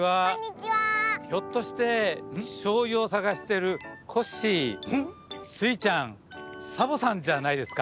ひょっとしてしょうゆをさがしてるコッシースイちゃんサボさんじゃないですか？